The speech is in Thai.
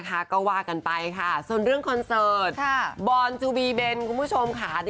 รอความหวังหรือไงจ๊ะ